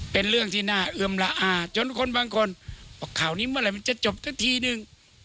เป็นเรื่องที่น่าเอือมละอาจนคนบางคนบอกข่าวนี้เมื่อไหร่มันจะจบสักทีนึง